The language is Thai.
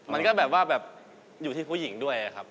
มันก็แบบว่าแบบอยู่ที่ผู้หญิงด้วยครับ